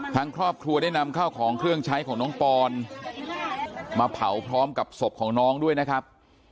ทางครอบครัวได้นำข้าวของเครื่องใช้ของน้องปอนมาเผาพร้อมกับศพของน้องด้วยนะครับ